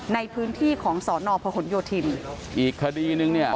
ในพื้นที่ของสอนอพหนโยธินอีกคดีนึงเนี่ย